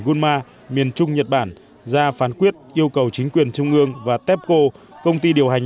gunma miền trung nhật bản ra phán quyết yêu cầu chính quyền trung ương và tepco công ty điều hành